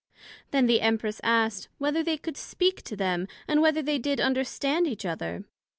Then the Empress asked, Whether they could speak to them, and whether they did understand each other?